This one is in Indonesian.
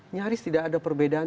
nyaris tidak ada perbedaan